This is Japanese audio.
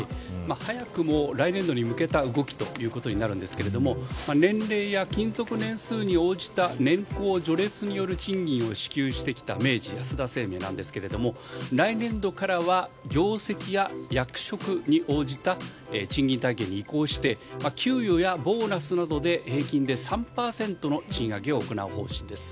早くも来年度に向けた動きとなるんですが年齢や勤続年数に応じた年功序列による賃金を支給してきた明治安田生命なんですが来年度からは業績や役職に応じた賃金体系に移行して給与やボーナスなどで平均で３％の賃上げを行う方針です。